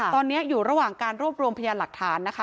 ตอนนี้อยู่ระหว่างการรวบรวมพยานหลักฐานนะคะ